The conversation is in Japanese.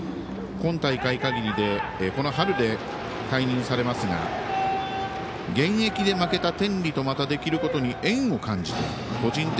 今大会限りでこの春で退任されますが現役で負けた天理とまたできることに縁を感じているんだと。